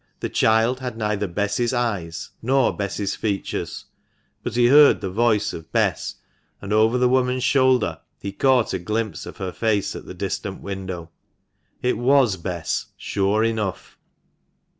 The child had neither Bess's eyes nor Bess's features ; but he heard the voice of Bess, and over the woman's shoulder he caught a glimpse of her face at the distant window. It was Bess, sure enough